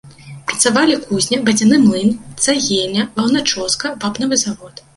Працавалі кузня, вадзяны млын, цагельня, ваўначоска, вапнавы завод.